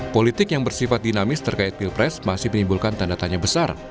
politik yang bersifat dinamis terkait pilpres masih menimbulkan tanda tanya besar